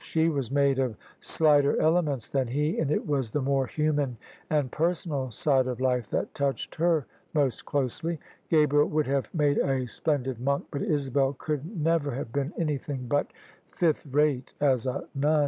She was made of slighter elements than he; and it was the more human and personal side of life that touched her most closely. Gabriel would have made a splendid monk; but Isabel could never [ 147 ] THE SUBJECTION have been an3rthing but fifth rate as a nun.